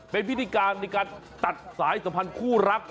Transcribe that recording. เป็นพิธีการในการตัดสายสัมพันธ์คู่รัก